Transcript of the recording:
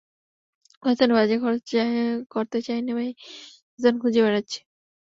অস্থানে বাজে খরচ করতে চাই নে ভাই, স্থান খুঁজে বেড়াচ্ছি।